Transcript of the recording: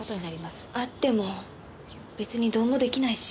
会っても別にどうも出来ないし。